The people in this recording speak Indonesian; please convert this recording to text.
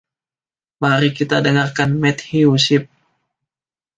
Mari kita dengarkan Matthew Shipp.